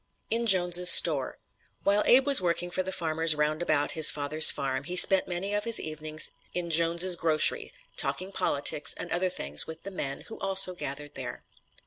IN JONES' STORE While Abe was working for the farmers round about his father's farm he spent many of his evenings in Jones' grocery "talking politics" and other things with the men, who also gathered there.